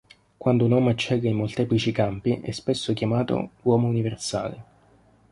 Quando un uomo eccelle in molteplici campi, è spesso chiamato "uomo universale".